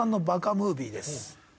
ムービーです。